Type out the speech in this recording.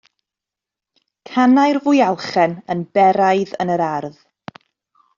Canai'r fwyalchen yn beraidd yn yr ardd.